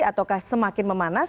ataukah semakin memanas